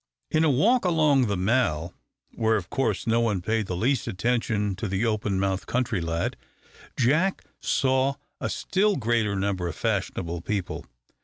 In a walk along the Mall, where, of course, no one paid the least attention to the open mouthed country lad, Jack saw a still greater number of fashionable people.